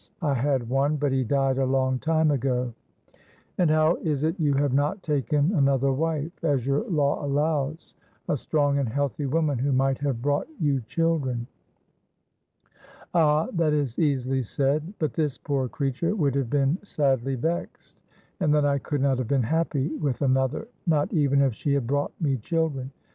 I had one, but he died a long time ago." "And how is it you have not taken another wife, as your law allows a strong and healthy woman who might have brought you children?" "Ah, that is easily said; but this poor creature would have been sadly vexed, and then I could not have been happy with another, not even if she had brought me children.